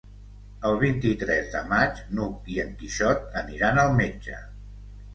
El vint-i-tres de maig n'Hug i en Quixot aniran al metge.